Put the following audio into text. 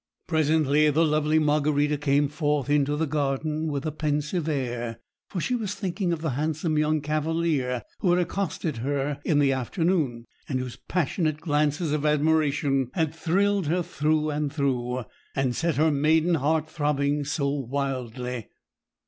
Presently the lovely Margarita came forth into the garden with a pensive air; for she was thinking of the handsome young cavalier who had accosted her in the afternoon, and whose passionate glances of admiration had thrilled her through and through, and set her maiden heart throbbing so wildly.